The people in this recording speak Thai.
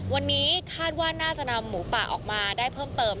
วันนี้คาดว่าน่าจะนำหมูป่าออกมาได้เพิ่มเติม